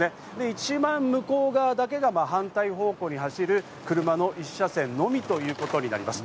一番向こう側だけが反対方向に走る車の１車線のみということになります。